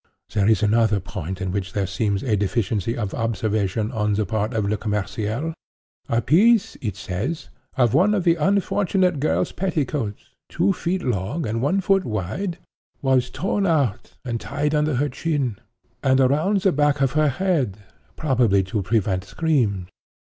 "There is another point at which there seems a deficiency of observation on the part of Le Commerciel. 'A piece,' it says, 'of one of the unfortunate girl's petticoats, two feet long, and one foot wide, was torn out and tied under her chin, and around the back of her head, probably to prevent screams.